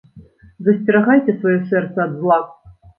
Засцерагайце сваё сэрца ад зла.